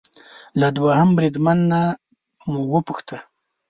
له دوهم بریدمن نه وپوښته